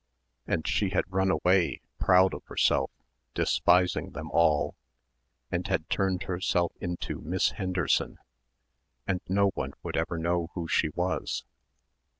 and she had run away, proud of herself, despising them all, and had turned herself into Miss Henderson, ... and no one would ever know who she was....